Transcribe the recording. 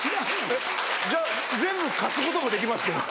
じゃあ全部貸すこともできますけど。